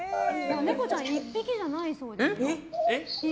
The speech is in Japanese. ネコちゃん１匹じゃないそうですよ。